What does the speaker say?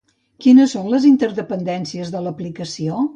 Quines són les interdependències de l'aplicació?